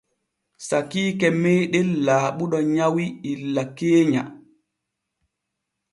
Sakiike meeɗen Laaɓuɗo nyawi illa keenya.